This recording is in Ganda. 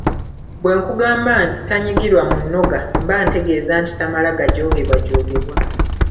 Bwe nkugamba nti "Tanyigirwa mu nnoga" mba ntegeeza nti tamala gajoogebwajoogebwa.